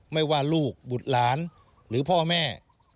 ไม่ว่าลูกบุตรหลานหรือพ่อแม่